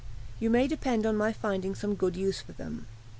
You may depend on my finding some good use for them."